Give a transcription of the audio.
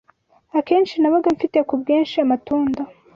Akenshi nabaga mfite ku bwinshi amatunda